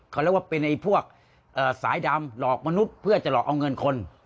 เขาเรียกว่าเป็นไอ้พวกสายดำหลอกมนุษย์เพื่อจะหลอกเอาเงินคน